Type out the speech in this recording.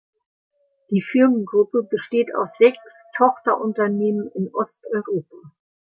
Die Firmengruppe besteht aus sechs Tochterunternehmen in Osteuropa.